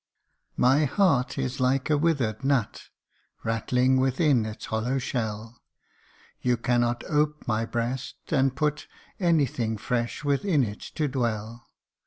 MY heart is like a withered nut, Rattling within its hollow shell ; You cannot ope my breast, and put Any thing fresh with it to dwell.